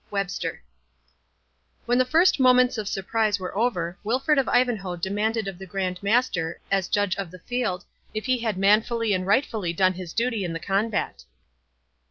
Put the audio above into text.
WEBSTER When the first moments of surprise were over, Wilfred of Ivanhoe demanded of the Grand Master, as judge of the field, if he had manfully and rightfully done his duty in the combat?